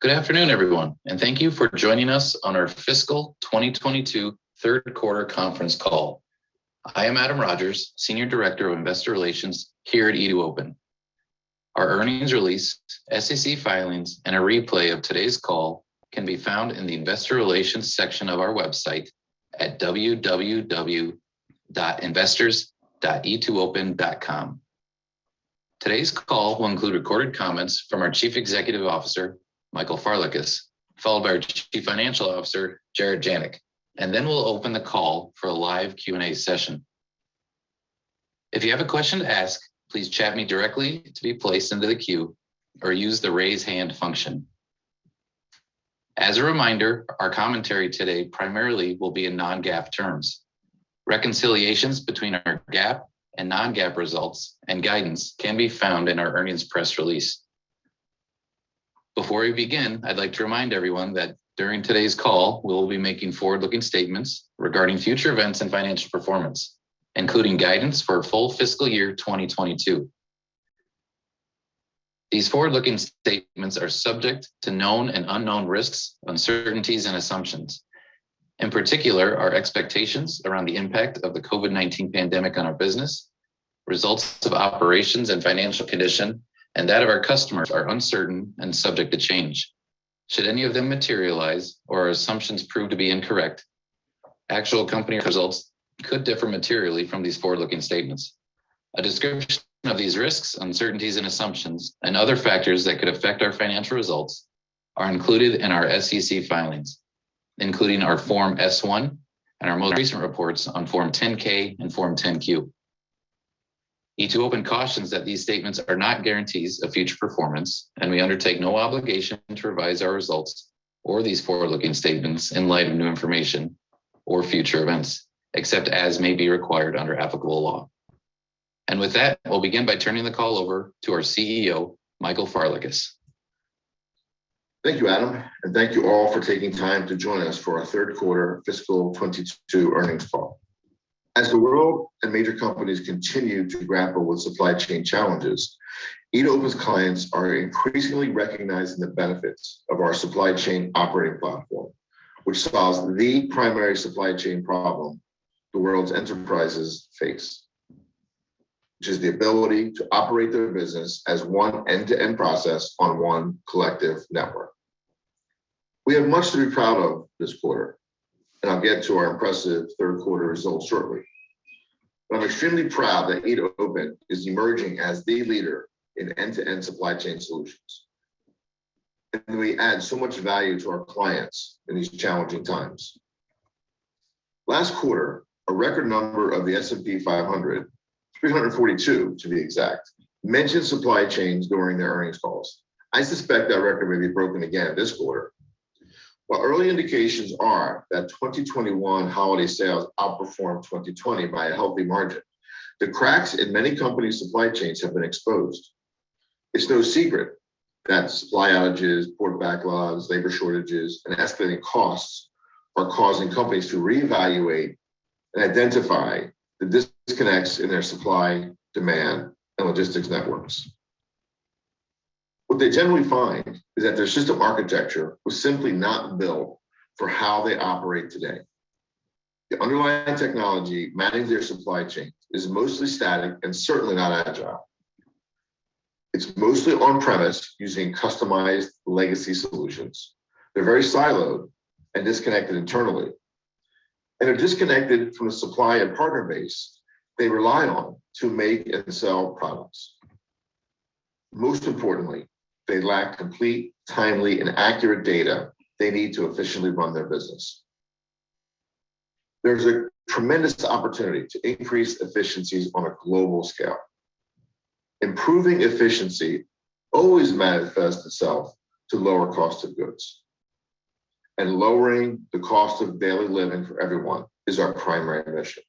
Good afternoon, everyone, and thank you for joining us on our fiscal 2022 third quarter conference call. I am Adam Rogers, Senior Director of Investor Relations here at e2open. Our earnings release, SEC filings, and a replay of today's call can be found in the investor relations section of our website at www.investors.e2open.com. Today's call will include recorded comments from our Chief Executive Officer, Michael Farlekas, followed by our Chief Financial Officer, Jarett Janik, and then we'll open the call for a live Q&A session. If you have a question to ask, please chat me directly to be placed into the queue or use the raise hand function. As a reminder, our commentary today primarily will be in non-GAAP terms. Reconciliations between our GAAP and non-GAAP results and guidance can be found in our earnings press release. Before we begin, I'd like to remind everyone that during today's call, we will be making forward-looking statements regarding future events and financial performance, including guidance for full fiscal year 2022. These forward-looking statements are subject to known and unknown risks, uncertainties, and assumptions. In particular, our expectations around the impact of the COVID-19 pandemic on our business, results of operations and financial condition, and that of our customers are uncertain and subject to change. Should any of them materialize or our assumptions prove to be incorrect, actual company results could differ materially from these forward-looking statements. A description of these risks, uncertainties, and assumptions and other factors that could affect our financial results are included in our SEC filings, including our Form S-1 and our most recent reports on Form 10-K and Form 10-Q. e2open cautions that these statements are not guarantees of future performance, and we undertake no obligation to revise our results or these forward-looking statements in light of new information or future events, except as may be required under applicable law. With that, we'll begin by turning the call over to our CEO, Michael Farlekas. Thank you, Adam, and thank you all for taking time to join us for our third quarter fiscal 2022 earnings call. As the world and major companies continue to grapple with supply chain challenges, e2open's clients are increasingly recognizing the benefits of our supply chain operating platform, which solves the primary supply chain problem the world's enterprises face, which is the ability to operate their business as one end-to-end process on one collective network. We have much to be proud of this quarter, and I'll get to our impressive third quarter results shortly. I'm extremely proud that e2open is emerging as the leader in end-to-end supply chain solutions, and we add so much value to our clients in these challenging times. Last quarter, a record number of the S&P 500, 342 to be exact, mentioned supply chains during their earnings calls. I suspect that record may be broken again this quarter. Early indications are that 2021 holiday sales outperformed 2020 by a healthy margin. The cracks in many companies' supply chains have been exposed. It's no secret that supply outages, port backlogs, labor shortages, and escalating costs are causing companies to reevaluate and identify the disconnects in their supply, demand, and logistics networks. What they generally find is that their system architecture was simply not built for how they operate today. The underlying technology managing their supply chain is mostly static and certainly not agile. It's mostly on-premise using customized legacy solutions. They're very siloed and disconnected internally, and they're disconnected from the supply and partner base they rely on to make and sell products. Most importantly, they lack complete, timely, and accurate data they need to efficiently run their business. There's a tremendous opportunity to increase efficiencies on a global scale. Improving efficiency always manifests itself to lower cost of goods. Lowering the cost of daily living for everyone is our primary mission.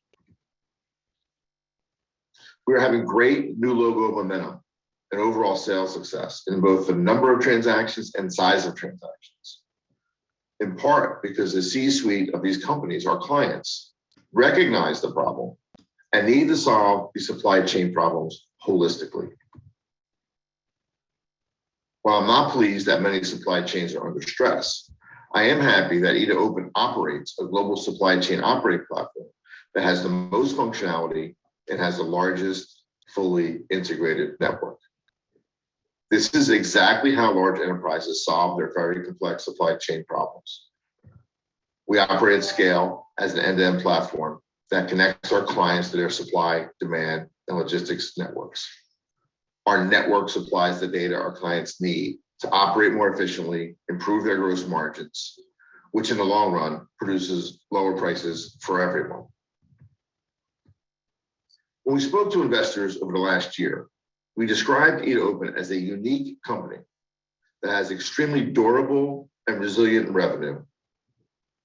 We are having great new logo momentum and overall sales success in both the number of transactions and size of transactions, in part because the C-suite of these companies, our clients, recognize the problem and need to solve the supply chain problems holistically. While I'm not pleased that many supply chains are under stress, I am happy that e2open operates a global supply chain operating platform that has the most functionality and has the largest, fully integrated network. This is exactly how large enterprises solve their very complex supply chain problems. We operate scale as an end-to-end platform that connects our clients to their supply, demand, and logistics networks. Our network supplies the data our clients need to operate more efficiently, improve their gross margins, which in the long run produces lower prices for everyone. When we spoke to investors over the last year, we described e2open as a unique company that has extremely durable and resilient revenue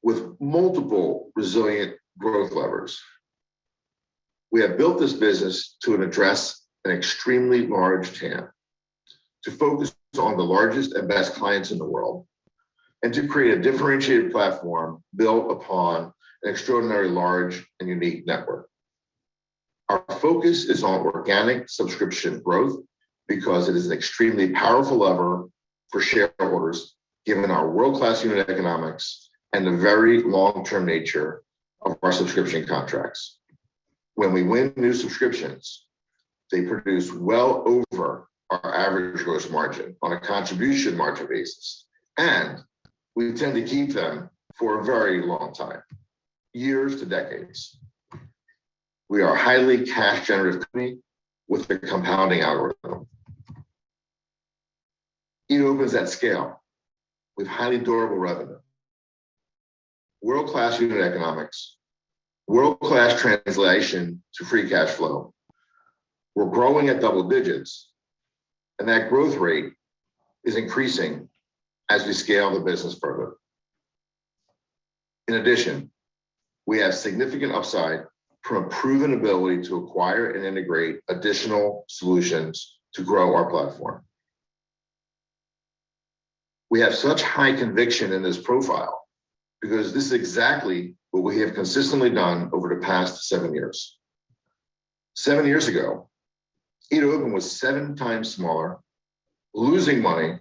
with multiple resilient growth levers. We have built this business to address an extremely large TAM, to focus on the largest and best clients in the world, and to create a differentiated platform built upon an extraordinarily large and unique network. Our focus is on organic subscription growth because it is an extremely powerful lever for shareholders given our world-class unit economics and the very long-term nature of our subscription contracts. When we win new subscriptions, they produce well over our average gross margin on a contribution margin basis, and we intend to keep them for a very long time, years to decades. We are a highly cash-generative company with a compounding algorithm. It operates at scale with highly durable revenue, world-class unit economics, world-class translation to free cash flow. We're growing at double digits, and that growth rate is increasing as we scale the business further. In addition, we have significant upside from a proven ability to acquire and integrate additional solutions to grow our platform. We have such high conviction in this profile because this is exactly what we have consistently done over the past seven years. Seven years ago, e2open was seven times smaller, losing money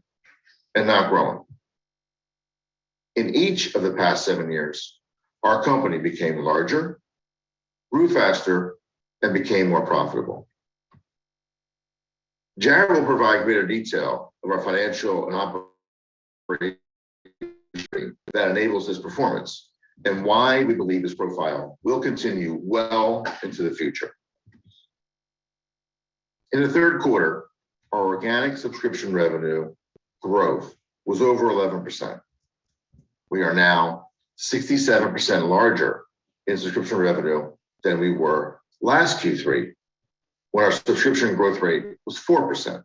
and not growing. In each of the past seven years, our company became larger, grew faster, and became more profitable. Jarett Janik will provide greater detail that enables this performance and why we believe this profile will continue well into the future. In the third quarter, our organic subscription revenue growth was over 11%. We are now 67% larger in subscription revenue than we were last Q3, where our subscription growth rate was 4%.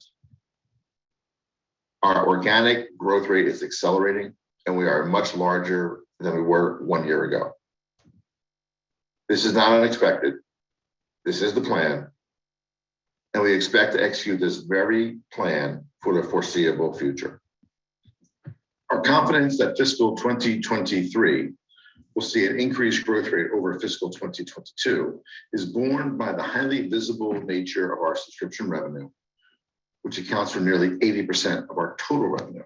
Our organic growth rate is accelerating, and we are much larger than we were one year ago. This is not unexpected. This is the plan, and we expect to execute this very plan for the foreseeable future. Our confidence that fiscal 2023 will see an increased growth rate over fiscal 2022 is borne by the highly visible nature of our subscription revenue, which accounts for nearly 80% of our total revenue.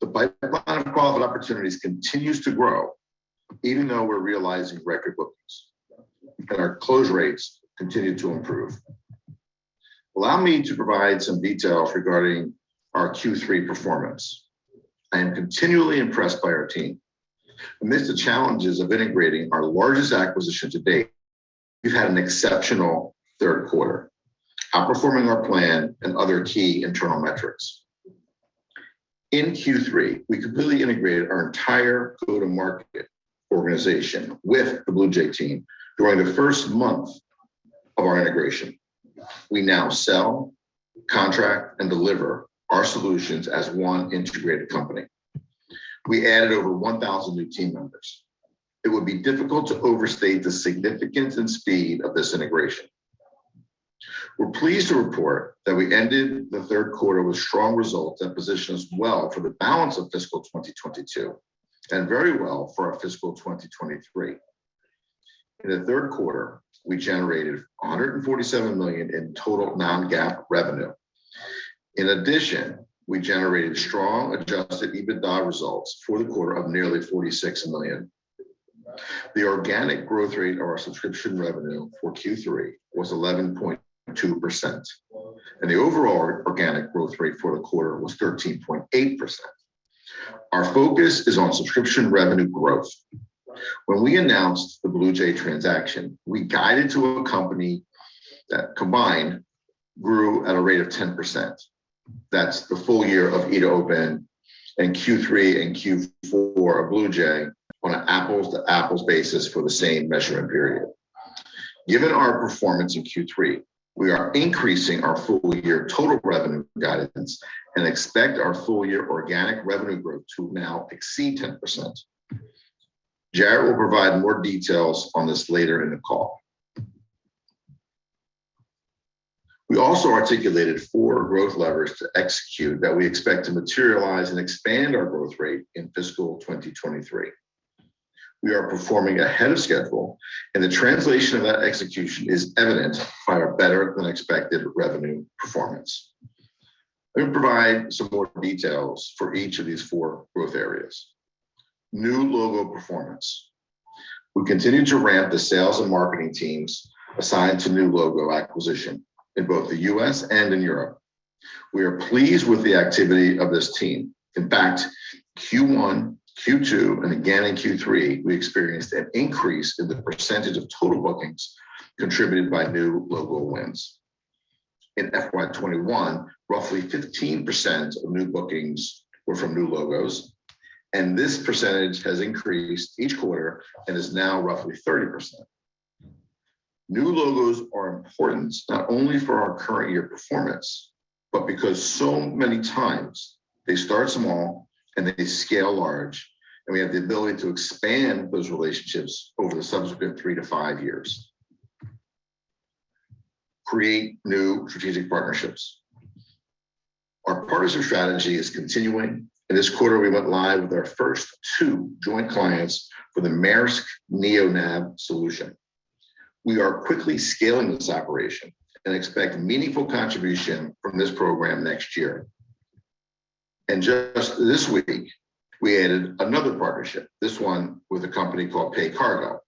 The pipeline of qualified opportunities continues to grow even though we're realizing record bookings, and our close rates continue to improve. Allow me to provide some details regarding our Q3 performance. I am continually impressed by our team. Amidst the challenges of integrating our largest acquisition to date, we've had an exceptional third quarter, outperforming our plan and other key internal metrics. In Q3, we completely integrated our entire go-to-market organization with the BluJay team during the first month of our integration. We now sell, contract, and deliver our solutions as one integrated company. We added over 1,000 new team members. It would be difficult to overstate the significance and speed of this integration. We're pleased to report that we ended the third quarter with strong results and positioned us well for the balance of fiscal 2022 and very well for our fiscal 2023. In the third quarter, we generated $147 million in total non-GAAP revenue. In addition, we generated strong adjusted EBITDA results for the quarter of nearly $46 million. The organic growth rate of our subscription revenue for Q3 was 11.2%, and the overall organic growth rate for the quarter was 13.8%. Our focus is on subscription revenue growth. When we announced the BluJay transaction, we guided to a company that combined grew at a rate of 10%. That's the full year of e2open and Q3 and Q4 of BluJay on an apples-to-apples basis for the same measurement period. Given our performance in Q3, we are increasing our full-year total revenue guidance and expect our full-year organic revenue growth to now exceed 10%. Jarett will provide more details on this later in the call. We also articulated four growth levers to execute that we expect to materialize and expand our growth rate in fiscal 2023. We are performing ahead of schedule, and the translation of that execution is evident by our better-than-expected revenue performance. Let me provide some more details for each of these four growth areas. New logo performance. We continue to ramp the sales and marketing teams assigned to new logo acquisition in both the U.S. and in Europe. We are pleased with the activity of this team. In fact, Q1, Q2, and again in Q3, we experienced an increase in the percentage of total bookings contributed by new logo wins. In FY 2021, roughly 15% of new bookings were from new logos, and this percentage has increased each quarter and is now roughly 30%. New logos are important not only for our current year performance, but because so many times they start small and they scale large, and we have the ability to expand those relationships over the subsequent three to five years. Create new strategic partnerships. Our partnership strategy is continuing. In this quarter, we went live with our first two joint clients for the Maersk NeoNav solution. We are quickly scaling this operation and expect meaningful contribution from this program next year. Just this week, we added another partnership, this one with a company called PayCargo,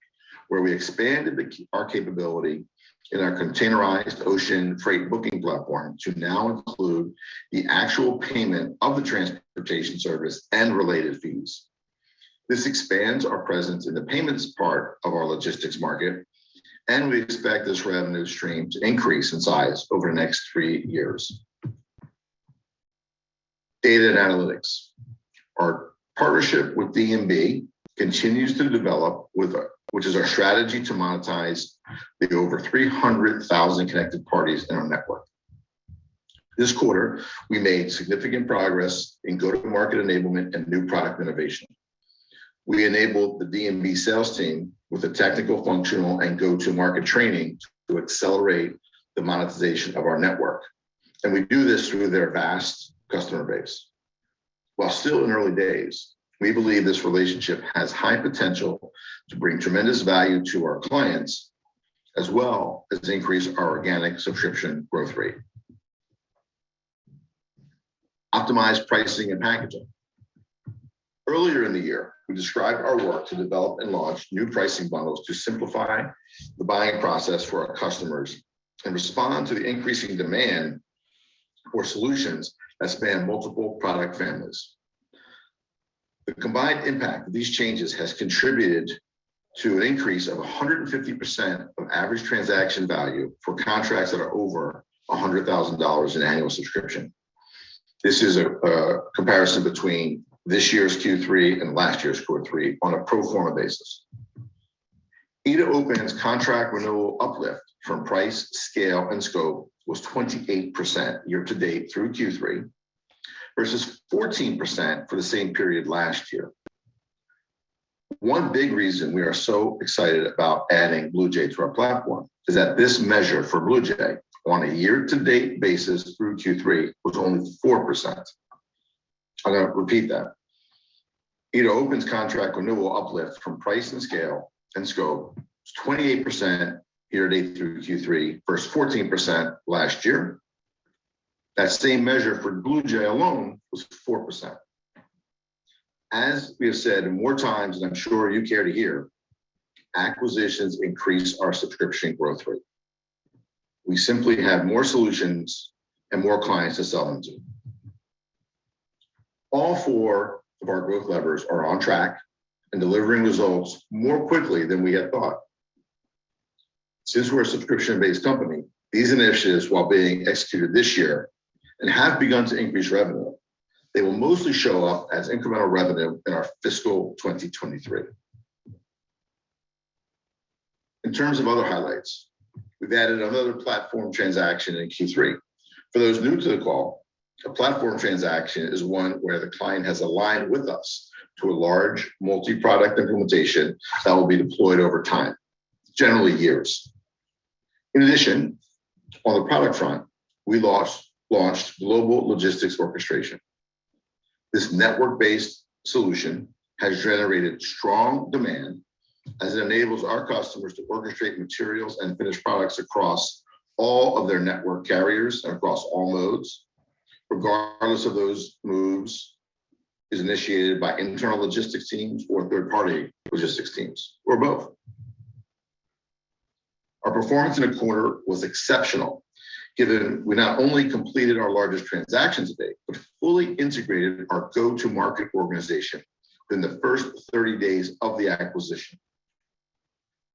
where we expanded our capability in our containerized ocean freight booking platform to now include the actual payment of the transportation service and related fees. This expands our presence in the payments part of our logistics market, and we expect this revenue stream to increase in size over the next three years. Data and analytics. Our partnership with D&B continues to develop, which is our strategy to monetize the over 300,000 connected parties in our network. This quarter, we made significant progress in go-to-market enablement and new product innovation. We enabled the D&B sales team with a technical, functional, and go-to-market training to accelerate the monetization of our network. We do this through their vast customer base. While still in early days, we believe this relationship has high potential to bring tremendous value to our clients, as well as increase our organic subscription growth rate. Optimized pricing and packaging. Earlier in the year, we described our work to develop and launch new pricing models to simplify the buying process for our customers and respond to the increasing demand for solutions that span multiple product families. The combined impact of these changes has contributed to an increase of 150% of average transaction value for contracts that are over $100,000 in annual subscription. This is a comparison between this year's Q3 and last year's Q3 on a pro forma basis. e2open's contract renewal uplift from price, scale, and scope was 28% year to date through Q3 versus 14% for the same period last year. One big reason we are so excited about adding BluJay to our platform is that this measure for BluJay on a year to date basis through Q3 was only 4%. I'm gonna repeat that. e2open's contract renewal uplift from price and scale and scope was 28% year to date through Q3 versus 14% last year. That same measure for BluJay alone was 4%. As we have said more times than I'm sure you care to hear, acquisitions increase our subscription growth rate. We simply have more solutions and more clients to sell them to. All four of our growth levers are on track and delivering results more quickly than we had thought. Since we're a subscription-based company, these initiatives, while being executed this year and have begun to increase revenue, they will mostly show up as incremental revenue in our fiscal 2023. In terms of other highlights, we've added another platform transaction in Q3. For those new to the call, a platform transaction is one where the client has aligned with us to a large multi-product implementation that will be deployed over time, generally years. In addition, on the product front, we launched Global Logistics Orchestration. This network-based solution has generated strong demand as it enables our customers to orchestrate materials and finished products across all of their network carriers and across all modes, regardless if those moves is initiated by internal logistics teams or third-party logistics teams or both. Our performance in the quarter was exceptional, given we not only completed our largest transaction to date, but fully integrated our go-to-market organization within the first 30 days of the acquisition.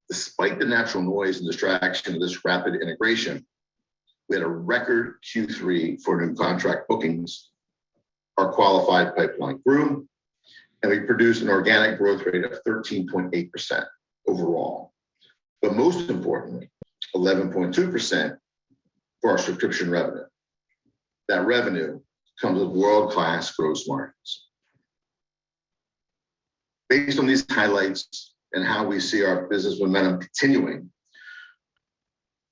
Despite the natural noise and distraction of this rapid integration, we had a record Q3 for new contract bookings, our qualified pipeline grew, and we produced an organic growth rate of 13.8% overall. Most importantly, 11.2% for our subscription revenue. That revenue comes with world-class gross margins. Based on these highlights and how we see our business momentum continuing,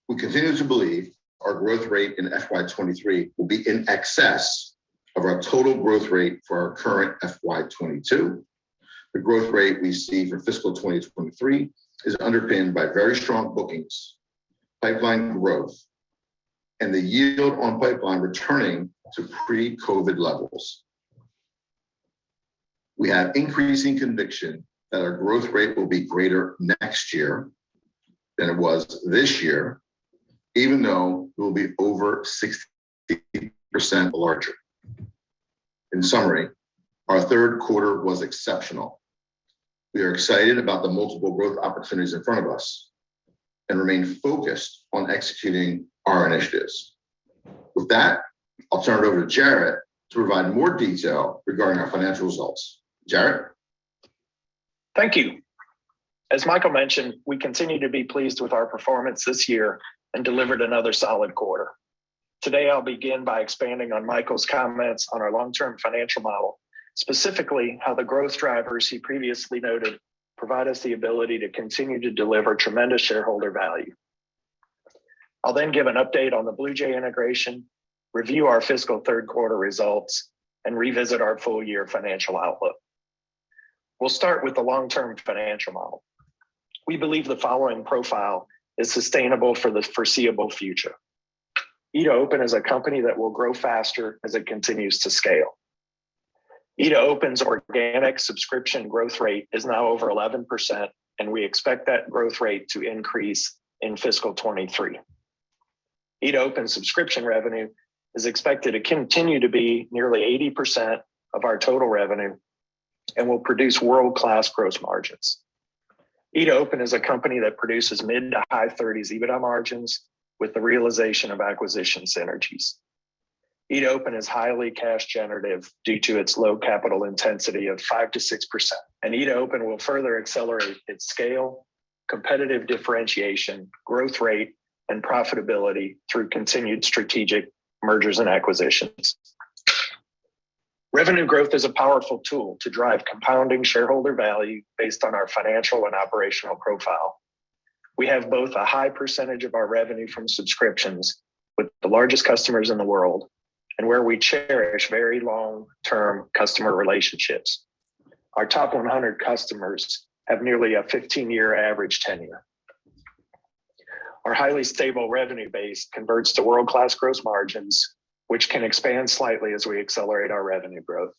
we continue to believe our growth rate in FY 2023 will be in excess of our total growth rate for our current FY 2022. The growth rate we see for fiscal 2023 is underpinned by very strong bookings, pipeline growth, and the yield on pipeline returning to pre-COVID-19 levels. We have increasing conviction that our growth rate will be greater next year than it was this year, even though we will be over 60% larger. In summary, our third quarter was exceptional. We are excited about the multiple growth opportunities in front of us and remain focused on executing our initiatives. With that, I'll turn it over to Jarett to provide more detail regarding our financial results. Jarett? Thank you. As Michael mentioned, we continue to be pleased with our performance this year and delivered another solid quarter. Today, I'll begin by expanding on Michael's comments on our long-term financial model, specifically how the growth drivers he previously noted provide us the ability to continue to deliver tremendous shareholder value. I'll then give an update on the BluJay integration, review our fiscal third quarter results, and revisit our full year financial outlook. We'll start with the long-term financial model. We believe the following profile is sustainable for the foreseeable future. e2open is a company that will grow faster as it continues to scale. e2open's organic subscription growth rate is now over 11%, and we expect that growth rate to increase in fiscal 2023. e2open subscription revenue is expected to continue to be nearly 80% of our total revenue, and will produce world-class gross margins. e2open is a company that produces mid- to high-30s EBITDA margins with the realization of acquisition synergies. e2open is highly cash generative due to its low capital intensity of 5%-6%. e2open will further accelerate its scale, competitive differentiation, growth rate, and profitability through continued strategic mergers and acquisitions. Revenue growth is a powerful tool to drive compounding shareholder value based on our financial and operational profile. We have both a high percentage of our revenue from subscriptions with the largest customers in the world, and where we cherish very long-term customer relationships. Our top 100 customers have nearly a 15-year average tenure. Our highly stable revenue base converts to world-class gross margins, which can expand slightly as we accelerate our revenue growth.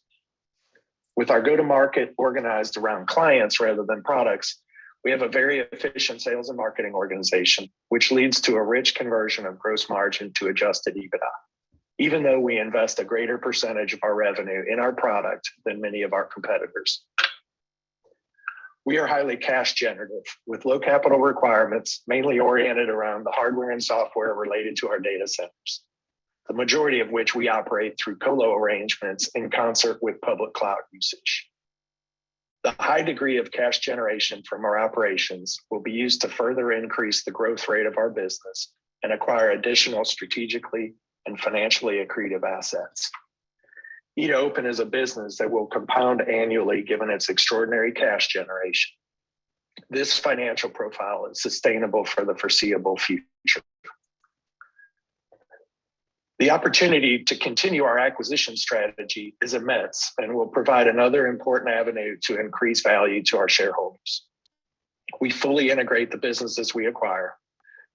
With our go-to-market organized around clients rather than products, we have a very efficient sales and marketing organization, which leads to a rich conversion of gross margin to Adjusted EBITDA, even though we invest a greater percentage of our revenue in our product than many of our competitors. We are highly cash generative with low capital requirements, mainly oriented around the hardware and software related to our data centers, the majority of which we operate through colo arrangements in concert with public cloud usage. The high degree of cash generation from our operations will be used to further increase the growth rate of our business and acquire additional strategically and financially accretive assets. e2open is a business that will compound annually given its extraordinary cash generation. This financial profile is sustainable for the foreseeable future. The opportunity to continue our acquisition strategy is immense and will provide another important avenue to increase value to our shareholders. We fully integrate the businesses we acquire.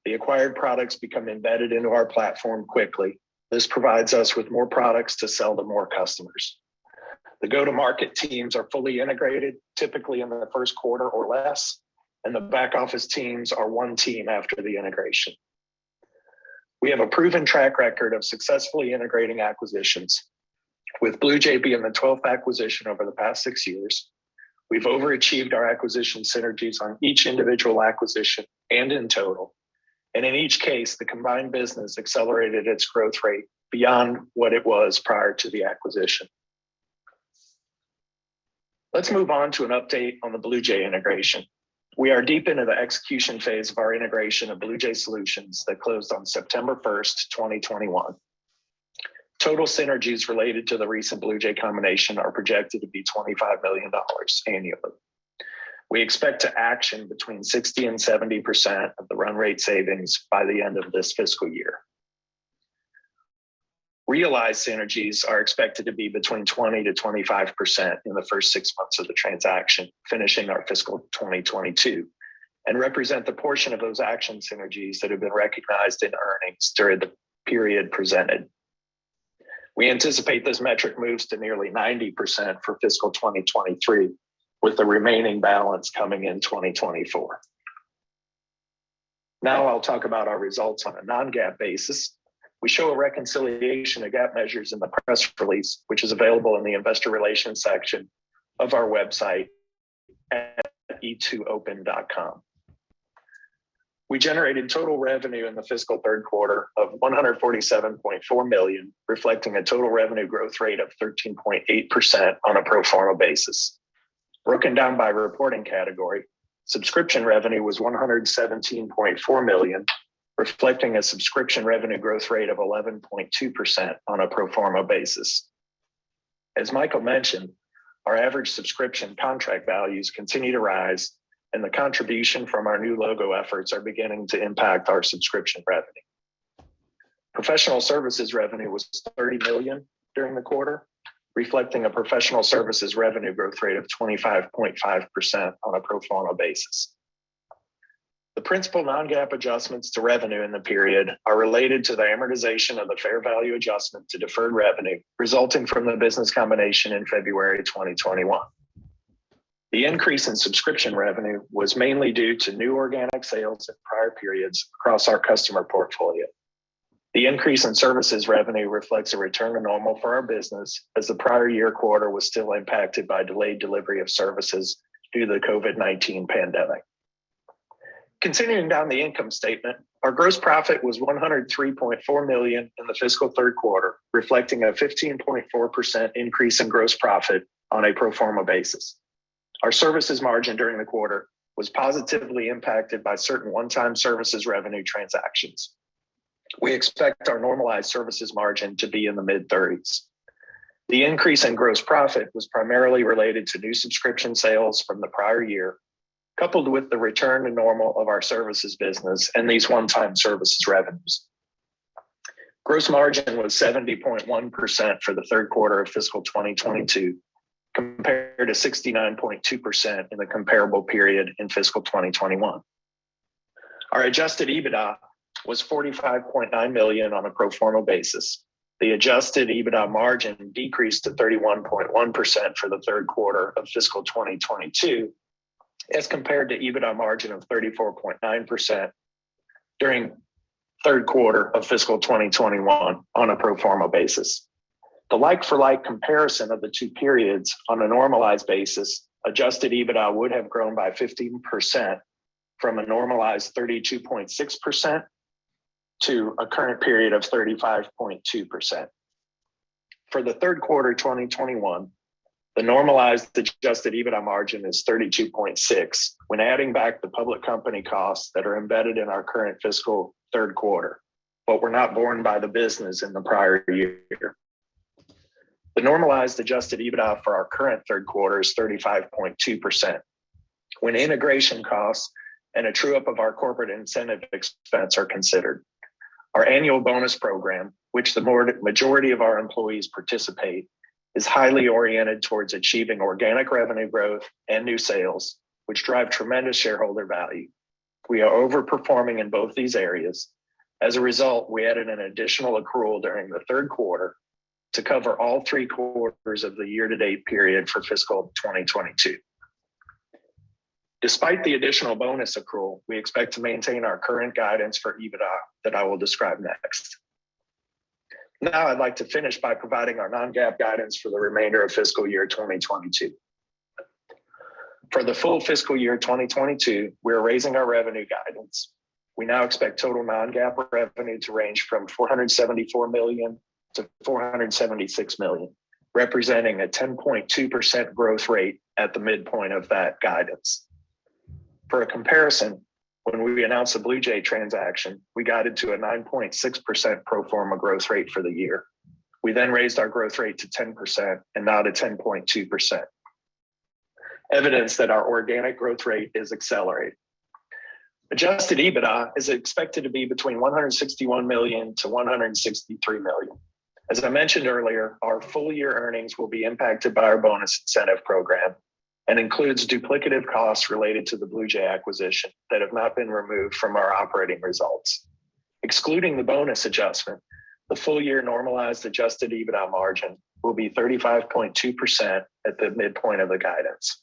The acquired products become embedded into our platform quickly. This provides us with more products to sell to more customers. The go-to-market teams are fully integrated, typically in the first quarter or less, and the back office teams are one team after the integration. We have a proven track record of successfully integrating acquisitions. With BluJay being the twelfth acquisition over the past six years, we've overachieved our acquisition synergies on each individual acquisition and in total. In each case, the combined business accelerated its growth rate beyond what it was prior to the acquisition. Let's move on to an update on the BluJay integration. We are deep into the execution phase of our integration of BluJay Solutions that closed on September 1, 2021. Total synergies related to the recent BluJay combination are projected to be $25 million annually. We expect to capture between 60%-70% of the run rate savings by the end of this fiscal year. Realized synergies are expected to be between 20%-25% in the first six months of the transaction, finishing our fiscal 2022, and represent the portion of those captured synergies that have been recognized in earnings during the period presented. We anticipate this metric moves to nearly 90% for fiscal 2023, with the remaining balance coming in 2024. Now I'll talk about our results on a non-GAAP basis. We show a reconciliation of GAAP measures in the press release, which is available in the investor relations section of our website at e2open.com. We generated total revenue in the fiscal third quarter of $147.4 million, reflecting a total revenue growth rate of 13.8% on a pro forma basis. Broken down by reporting category, subscription revenue was $117.4 million, reflecting a subscription revenue growth rate of 11.2% on a pro forma basis. As Michael mentioned, our average subscription contract values continue to rise, and the contribution from our new logo efforts are beginning to impact our subscription revenue. Professional services revenue was $30 million during the quarter, reflecting a professional services revenue growth rate of 25.5% on a pro forma basis. The principal non-GAAP adjustments to revenue in the period are related to the amortization of the fair value adjustment to deferred revenue resulting from the business combination in February 2021. The increase in Subscription Revenue was mainly due to new organic sales in prior periods across our customer portfolio. The increase in services revenue reflects a return to normal for our business as the prior year quarter was still impacted by delayed delivery of services due to the COVID-19 pandemic. Continuing down the income statement, our gross profit was $103.4 million in the fiscal third quarter, reflecting a 15.4% increase in gross profit on a pro forma basis. Our services margin during the quarter was positively impacted by certain one-time services revenue transactions. We expect our normalized services margin to be in the mid-30s%. The increase in gross profit was primarily related to new subscription sales from the prior year, coupled with the return to normal of our services business and these one-time services revenues. Gross margin was 70.1% for the third quarter of fiscal 2022, compared to 69.2% in the comparable period in fiscal 2021. Our Adjusted EBITDA was $45.9 million on a pro forma basis. The Adjusted EBITDA margin decreased to 31.1% for the third quarter of fiscal 2022, as compared to EBITDA margin of 34.9% during third quarter of fiscal 2021 on a pro forma basis. The like-for-like comparison of the two periods on a normalized basis, Adjusted EBITDA would have grown by 15% from a normalized 32.6% to a current period of 35.2%. For the third quarter of 2021, the normalized Adjusted EBITDA margin is 32.6, when adding back the public company costs that are embedded in our current fiscal third quarter, but were not borne by the business in the prior year. The normalized Adjusted EBITDA for our current third quarter is 35.2%. When integration costs and a true-up of our corporate incentive expense are considered, our annual bonus program, which the majority of our employees participate, is highly oriented towards achieving organic revenue growth and new sales, which drive tremendous shareholder value. We are overperforming in both these areas. As a result, we added an additional accrual during the third quarter to cover all three quarters of the year-to-date period for fiscal 2022. Despite the additional bonus accrual, we expect to maintain our current guidance for EBITDA that I will describe next. Now I'd like to finish by providing our non-GAAP guidance for the remainder of fiscal year 2022. For the full fiscal year 2022, we are raising our revenue guidance. We now expect total non-GAAP revenue to range from $474 million-$476 million, representing a 10.2% growth rate at the midpoint of that guidance. For a comparison, when we announced the BluJay Solutions transaction, we guided to a 9.6% pro forma growth rate for the year. We then raised our growth rate to 10%, and now to 10.2%, evidence that our organic growth rate is accelerating. Adjusted EBITDA is expected to be between $161 million-$163 million. As I mentioned earlier, our full year earnings will be impacted by our bonus incentive program and includes duplicative costs related to the BluJay Solutions acquisition that have not been removed from our operating results. Excluding the bonus adjustment, the full year normalized Adjusted EBITDA margin will be 35.2% at the midpoint of the guidance.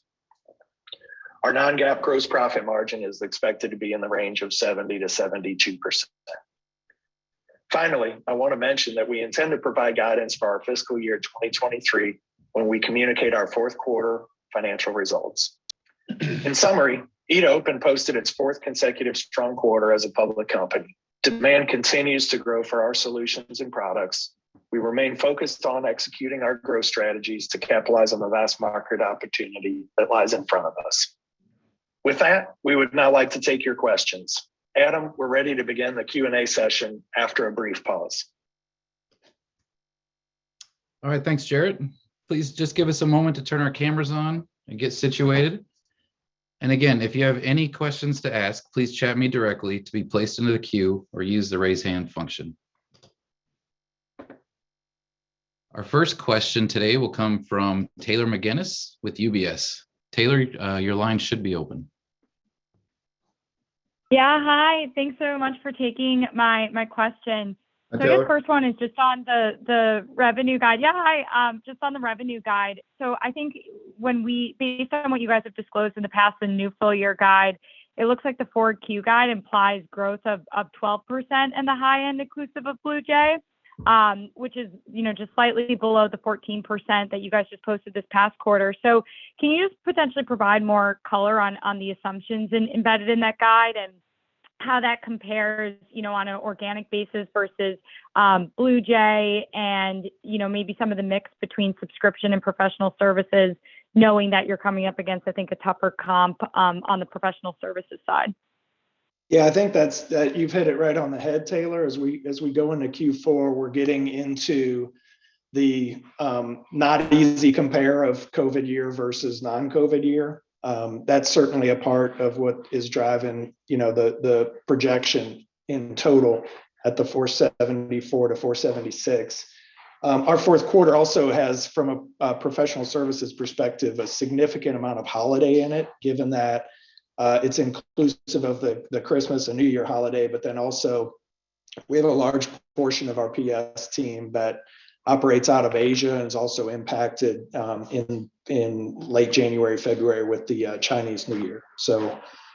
Our Non-GAAP gross profit margin is expected to be in the range of 70%-72%. Finally, I wanna mention that we intend to provide guidance for our fiscal year 2023 when we communicate our fourth quarter financial results. In summary, e2open posted its fourth consecutive strong quarter as a public company. Demand continues to grow for our solutions and products. We remain focused on executing our growth strategies to capitalize on the vast market opportunity that lies in front of us. With that, we would now like to take your questions. Adam, we're ready to begin the Q&A session after a brief pause. All right. Thanks, Jarett. Please just give us a moment to turn our cameras on and get situated. Again, if you have any questions to ask, please chat me directly to be placed into the queue, or use the Raise Hand function. Our first question today will come from Taylor McGinnis with UBS. Taylor, your line should be open. Yeah. Hi. Thanks so much for taking my question. Hi, Taylor. The first one is just on the revenue guide. Just on the revenue guide, I think based on what you guys have disclosed in the past, the new full year guide, it looks like the forward Q guide implies growth of 12% in the high end inclusive of BluJay Solutions, which is, you know, just slightly below the 14% that you guys just posted this past quarter. Can you just potentially provide more color on the assumptions embedded in that guide and how that compares, you know, on an organic basis versus BluJay Solutions and, you know, maybe some of the mix between subscription and professional services, knowing that you're coming up against, I think, a tougher comp on the professional services side? Yeah, I think that you've hit it right on the head, Taylor. As we go into Q4, we're getting into, not an easy compare of COVID year versus non-COVID year. That's certainly a part of what is driving, you know, the projection in total at the $474 million-$476 million. Our fourth quarter also has, from a professional services perspective, a significant amount of holiday in it, given that it's inclusive of the Christmas and New Year holiday. Also, we have a large portion of our PS team that operates out of Asia and is also impacted in late January, February with the Chinese New Year.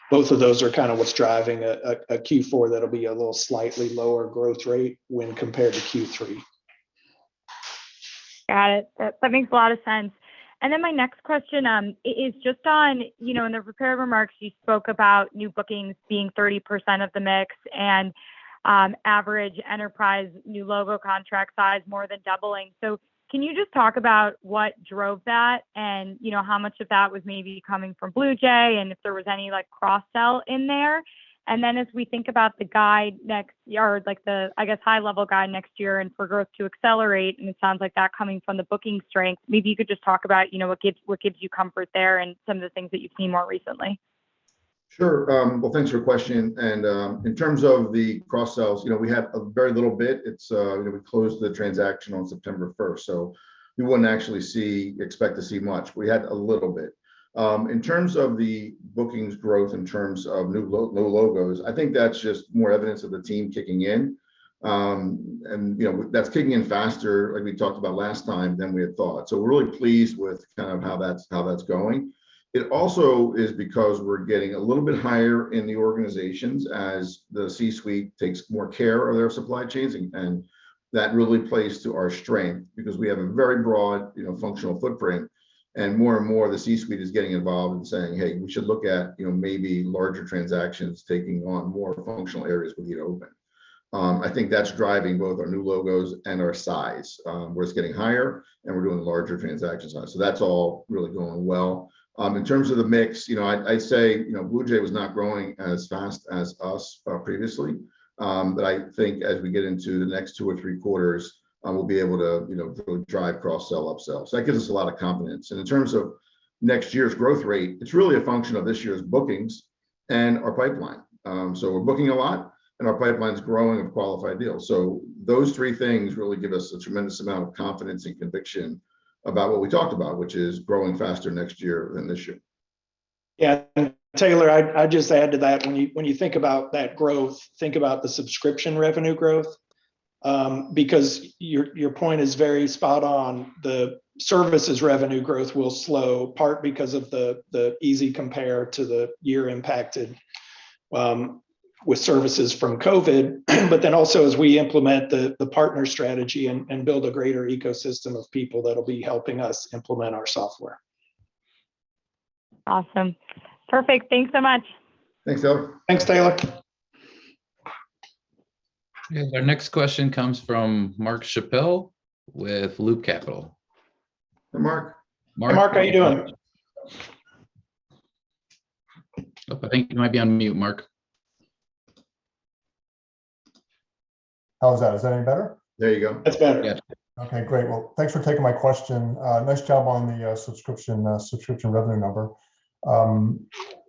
Both of those are kinda what's driving a Q4 that'll be a little slightly lower growth rate when compared to Q3. Got it. That makes a lot of sense. My next question is just on, you know, in the prepared remarks, you spoke about new bookings being 30% of the mix and average enterprise new logo contract size more than doubling. Can you just talk about what drove that and, you know, how much of that was maybe coming from BluJay Solutions and if there was any, like, cross-sell in there? As we think about the guide next year, like the, I guess, high level guide next year and for growth to accelerate, and it sounds like that coming from the booking strength, maybe you could just talk about, you know, what gives you comfort there and some of the things that you've seen more recently. Sure. Well, thanks for your question. In terms of the cross sales, you know, we have a very little bit. It's, you know, we closed the transaction on September first, so you wouldn't actually expect to see much. We had a little bit. In terms of the bookings growth, in terms of new logos, I think that's just more evidence of the team kicking in. You know, that's kicking in faster, like we talked about last time, than we had thought. We're really pleased with kind of how that's going. It also is because we're getting a little bit higher in the organizations as the C-suite takes more care of their supply chains, and that really plays to our strength because we have a very broad, you know, functional footprint, and more and more the C-suite is getting involved and saying, "Hey, we should look at, you know, maybe larger transactions, taking on more functional areas with e2open." I think that's driving both our new logos and our size, where it's getting higher, and we're doing larger transaction size. That's all really going well. In terms of the mix, you know, I say, you know, BluJay was not growing as fast as us, previously. I think as we get into the next two or three quarters, we'll be able to, you know, really drive cross sell, up-sell. That gives us a lot of confidence. In terms of next year's growth rate, it's really a function of this year's bookings and our pipeline. We're booking a lot, and our pipeline's growing of qualified deals. Those three things really give us a tremendous amount of confidence and conviction about what we talked about, which is growing faster next year than this year. Yeah. Taylor, I'd just add to that. When you think about that growth, think about the Subscription Revenue growth, because your point is very spot on. The services revenue growth will slow, part because of the easy compare to the year impacted, with services from COVID, but then also as we implement the partner strategy and build a greater ecosystem of people that'll be helping us implement our software. Awesome. Perfect. Thanks so much. Thanks, Taylor. Thanks, Taylor. Okay. Our next question comes from Mark Schappell with Loop Capital. Hey, Mark. Hey, Mark. How you doing? I think you might be on mute, Mark. How's that? Is that any better? There you go. That's better. Yeah. Okay. Great. Well, thanks for taking my question. Nice job on the Subscription Revenue number.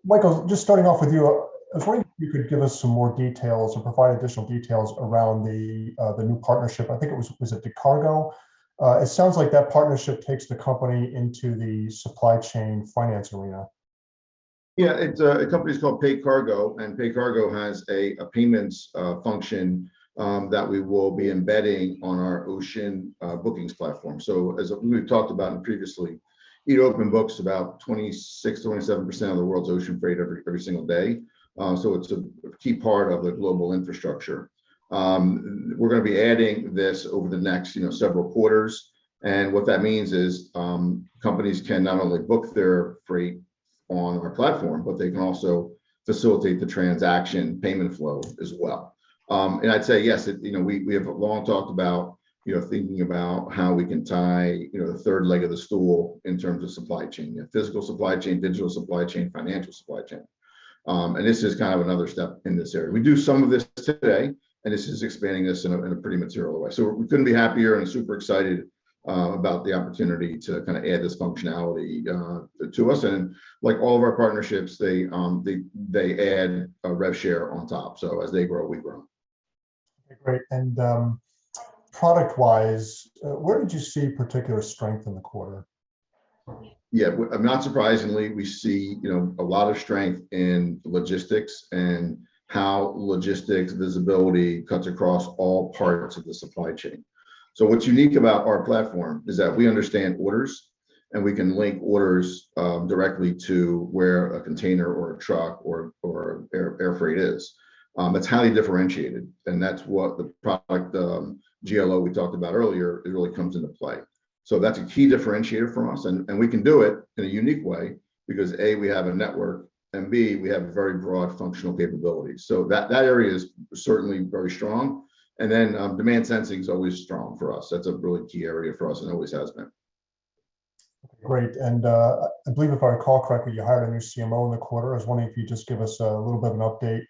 Michael, just starting off with you, if only you could give us some more details or provide additional details around the new partnership, I think it was PayCargo. It sounds like that partnership takes the company into the supply chain finance arena. Yeah. It's a company that's called PayCargo, and PayCargo has a payments function that we will be embedding on our ocean bookings platform. As we've talked about previously, e2open books about 26%-27% of the world's ocean freight every single day, so it's a key part of the global infrastructure. We're gonna be adding this over the next, you know, several quarters, and what that means is companies can not only book their freight on our platform, but they can also facilitate the transaction payment flow as well. I'd say yes, you know, we have long talked about, you know, thinking about how we can tie, you know, the third leg of the stool in terms of supply chain. You have physical supply chain, digital supply chain, financial supply chain. This is kind of another step in this area. We do some of this today, and this is expanding this in a pretty material way. We couldn't be happier and super excited about the opportunity to kind of add this functionality to us. Like all of our partnerships, they add a rev share on top. As they grow, we grow. Okay. Great. Product-wise, where did you see particular strength in the quarter? Yeah. Not surprisingly, we see, you know, a lot of strength in logistics and how logistics visibility cuts across all parts of the supply chain. What's unique about our platform is that we understand orders, and we can link orders directly to where a container or a truck or air freight is. It's highly differentiated, and that's what the product GLO we talked about earlier, it really comes into play. That's a key differentiator for us. We can do it in a unique way because, A, we have a network, and B, we have very broad functional capabilities. That area is certainly very strong. Demand sensing's always strong for us. That's a really key area for us, and always has been. Great. I believe if I recall correctly, you hired a new CMO in the quarter. I was wondering if you'd just give us a little bit of an update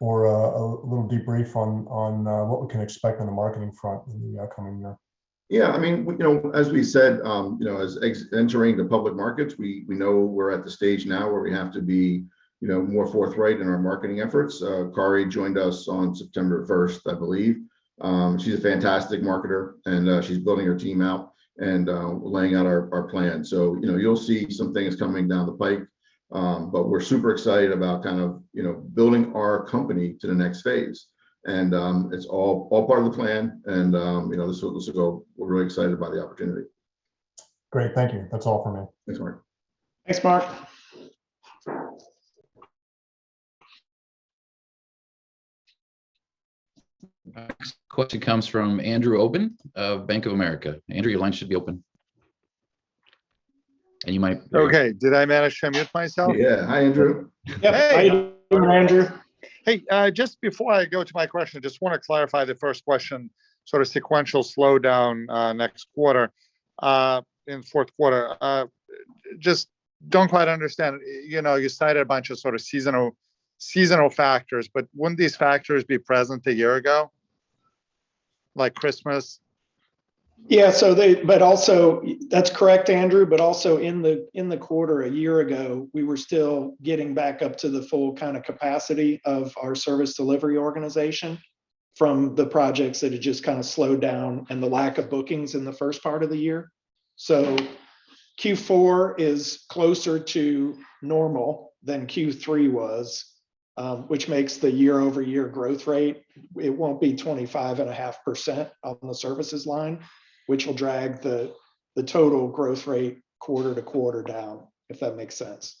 or a little debrief on what we can expect on the marketing front in the upcoming year. Yeah, I mean, we, you know, as we said, you know, as entering the public markets, we know we're at the stage now where we have to be, you know, more forthright in our marketing efforts. Kari joined us on September first, I believe. She's a fantastic marketer, and she's building her team out and laying out our plan. You know, you'll see some things coming down the pipe. We're super excited about kind of, you know, building our company to the next phase. It's all part of the plan, and you know, this will go. We're really excited by the opportunity. Great. Thank you. That's all for me. Thanks, Mark. Thanks, Mark. Next question comes from Andrew Obin of Bank of America. Andrew, your line should be open. You might- Okay. Did I manage to unmute myself? Yeah. Hi, Andrew. Hey. How you doing, Andrew? Hey, just before I go to my question, I just wanna clarify the first question, sort of sequential slowdown, in fourth quarter. just don't quite understand. You know, you cited a bunch of sort of seasonal factors, but wouldn't these factors be present a year ago, like Christmas? That's correct, Andrew, but also in the quarter a year ago, we were still getting back up to the full kind of capacity of our service delivery organization from the projects that had just kind of slowed down and the lack of bookings in the first part of the year. Q4 is closer to normal than Q3 was, which makes the year-over-year growth rate, it won't be 25.5% on the services line, which will drag the total growth rate quarter-over-quarter down, if that makes sense.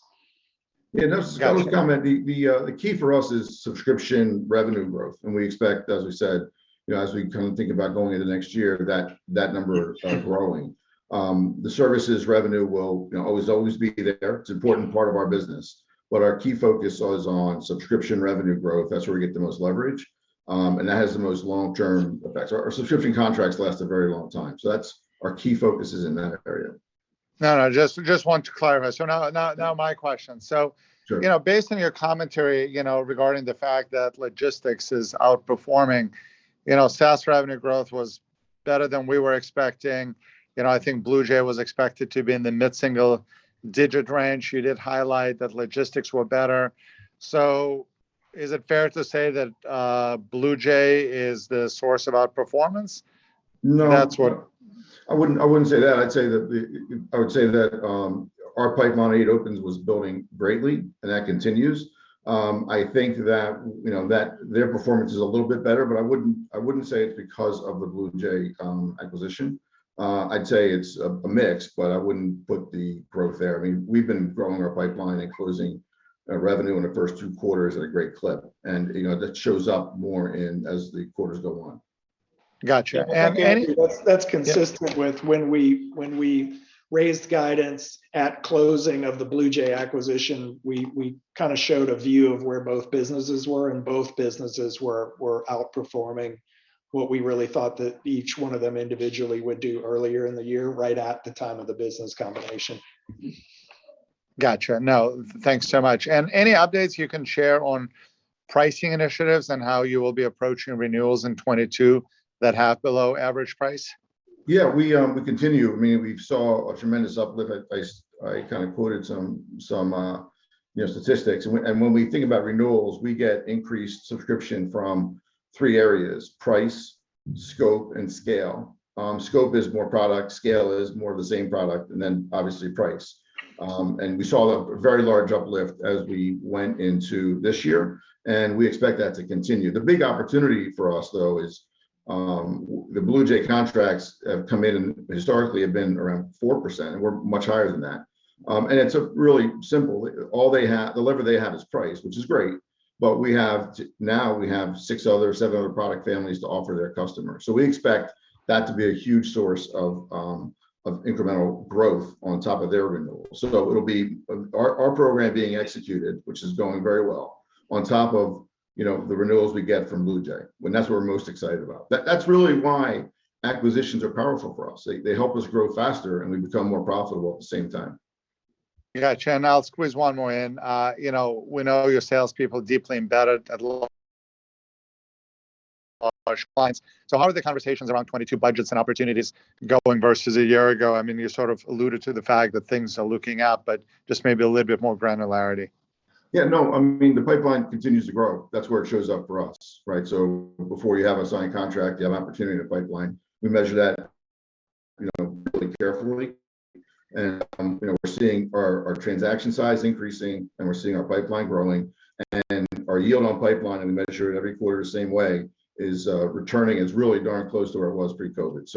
Yeah. Gotcha. I would comment, the key for us is subscription revenue growth, and we expect, as we said, you know, as we kind of think about going into next year that number are growing. The services revenue will, you know, always be there. It's important part of our business. Our key focus is on subscription revenue growth. That's where we get the most leverage, and that has the most long-term effects. Our subscription contracts last a very long time. Our key focus is in that area. No, just wanted to clarify. Now my question. Sure You know, based on your commentary, you know, regarding the fact that logistics is outperforming, you know, SaaS revenue growth was better than we were expecting. You know, I think BluJay Solutions was expected to be in the mid-single digit range. You did highlight that logistics were better. Is it fair to say that BluJay Solutions is the source of outperformance? No. That's what I wouldn't say that. I'd say that our pipeline and e2open's was building greatly, and that continues. I think that their performance is a little bit better, but I wouldn't say it's because of the BluJay acquisition. I'd say it's a mix, but I wouldn't put the growth there. I mean, we've been growing our pipeline and closing revenue in the first two quarters at a great clip and that shows up more as the quarters go on. Gotcha. That's consistent with- Yeah When we raised guidance at closing of the BluJay Solutions acquisition, we kind of showed a view of where both businesses were, and both businesses were outperforming what we really thought that each one of them individually would do earlier in the year, right at the time of the business combination. Gotcha. No, thanks so much. Any updates you can share on pricing initiatives and how you will be approaching renewals in 2022 that have below average price? Yeah. We continue. I mean, we saw a tremendous uplift. I kind of quoted some, you know, statistics. When we think about renewals, we get increased subscription from three areas, price, scope and scale. Scope is more product, scale is more of the same product, and then obviously price. We saw a very large uplift as we went into this year, and we expect that to continue. The big opportunity for us though is the BluJay Solutions contracts have come in and historically have been around 4%, and we're much higher than that. It's really simple. The lever they have is price, which is great, but now we have six other, seven other product families to offer their customers. We expect that to be a huge source of of incremental growth on top of their renewals. It'll be our program being executed, which is going very well, on top of, you know, the renewals we get from BluJay Solutions, and that's what we're most excited about. That's really why acquisitions are powerful for us. They help us grow faster, and we become more profitable at the same time. Yeah. Jarett, I'll squeeze one more in. You know, we know your salespeople deeply embedded at large clients. How are the conversations around 2022 budgets and opportunities going versus a year ago? I mean, you sort of alluded to the fact that things are looking up, but just maybe a little bit more granularity. Yeah, no, I mean, the pipeline continues to grow. That's where it shows up for us, right? Before you have a signed contract, you have opportunity in the pipeline. We measure that, you know, really carefully, and, you know, we're seeing our transaction size increasing, and we're seeing our pipeline growing. Our yield on pipeline, and we measure it every quarter the same way, is returning. It's really darn close to where it was pre-COVID.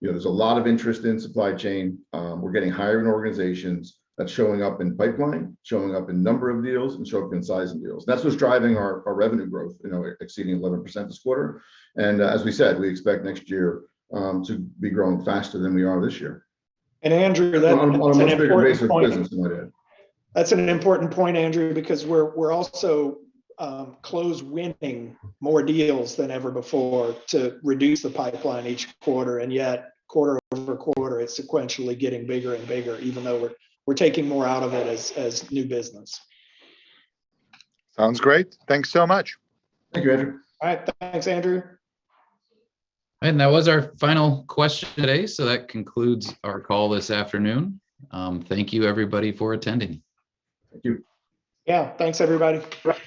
You know, there's a lot of interest in supply chain. We're getting hired in organizations. That's showing up in pipeline, showing up in number of deals, and showing up in size of deals. That's what's driving our revenue growth, you know, exceeding 11% this quarter. As we said, we expect next year to be growing faster than we are this year. Andrew, that's an important point. On a much bigger base of business than we did. That's an important point, Andrew, because we're also closing more deals than ever before to reduce the pipeline each quarter, and yet quarter-over-quarter, it's sequentially getting bigger and bigger even though we're taking more out of it as new business. Sounds great. Thanks so much. Thank you, Andrew. All right. Thanks, Andrew. That was our final question today, so that concludes our call this afternoon. Thank you everybody for attending. Thank you. Yeah. Thanks everybody. Right.